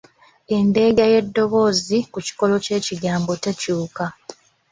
Endeega y’eddoboozi ku kikolo ky’ekigambo tekyuka